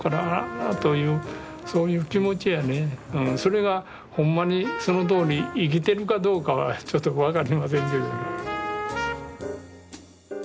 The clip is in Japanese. それがほんまにそのとおり生きてるかどうかはちょっと分かりませんけどね。